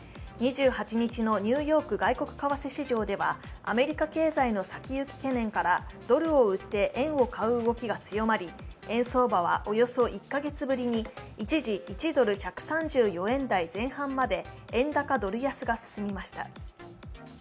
２８日のニューヨーク外国為替市場では、アメリカ経済の先行き懸念からドルを売って円を買う動きが強まり円相場はおよそ１カ月ぶりに一時、１ドル＝１３４円台前半まで円高ドル安が進みました。